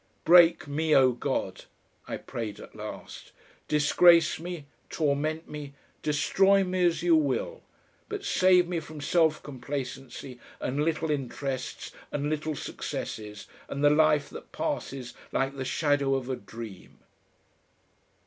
"Break me, O God," I prayed at last, "disgrace me, torment me, destroy me as you will, but save me from self complacency and little interests and little successes and the life that passes like the shadow of a dream."